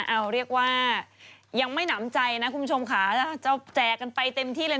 เอาเรียกว่ายังไม่หนำใจนะคุณผู้ชมค่ะจะแจกกันไปเต็มที่เลย